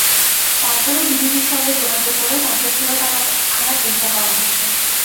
তারপরও বিজিপির সঙ্গে যোগাযোগ করে তাকে ফেরত আনা চেষ্টা করা হচ্ছে।